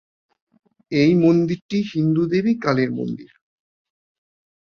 এই মন্দিরটি হিন্দু দেবী কালীর মন্দির।